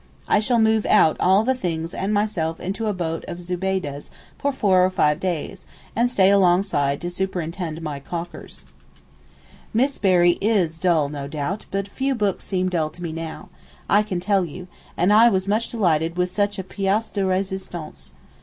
I shall move out all the things and myself into a boat of Zubeydeh's for four or five days, and stay alongside to superintend my caulkers. Miss Berry is dull no doubt, but few books seem dull to me now, I can tell you, and I was much delighted with such a pièce de résistance.